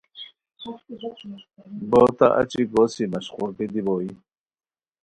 بوتہ اچی گوسی، مشقولگی دی بوئے